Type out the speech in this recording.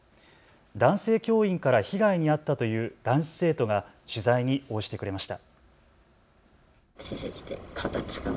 男性教員から被害に遭ったという男子生徒が取材に応じてくれました。